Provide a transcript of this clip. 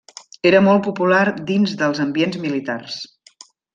Era molt popular dins dels ambients militars.